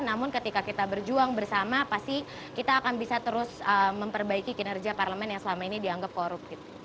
namun ketika kita berjuang bersama pasti kita akan bisa terus memperbaiki kinerja parlemen yang selama ini dianggap korup